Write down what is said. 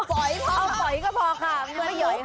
ผอยก็พอค่ะเอาผอยก็พอค่ะเหมือนหย่อยค่ะ